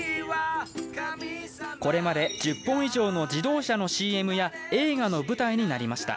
これまで１０本以上の自動車のＣＭや映画の舞台になりました。